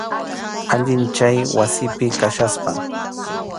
Allin chay wasipi kachkaspam.